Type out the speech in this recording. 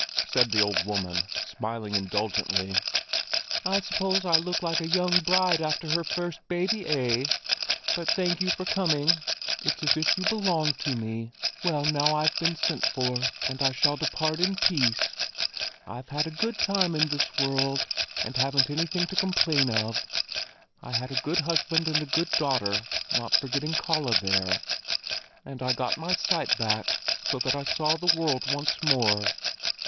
said the old woman, smiling indulgently. "I suppose I look like a young bride after her first baby, eh? But thank you for coming; it's as if you belonged to me. Well, now I've been sent for, and I shall depart in peace. I've had a good time in this world, and haven't anything to complain of. I had a good husband and a good daughter, not forgetting Kalle there. And I got my sight back, so that I saw the world once more."